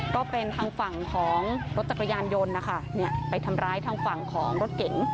ก็เป็นทางฝั่งของรถจักรยานยนต์นะคะไปทำร้ายทางฝั่งของรถเก๋ง